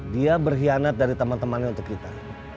dia berkhianat dari teman temannya untuk kita